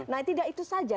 nah tidak itu saja